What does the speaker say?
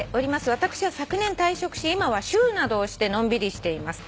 私は昨年退職し今は主夫などをしてのんびりしています」